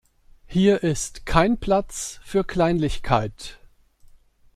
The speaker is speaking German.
Hier ist kein Platz für Kleinlichkeit.